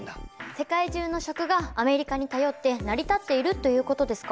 世界中の食がアメリカに頼って成り立っているということですか？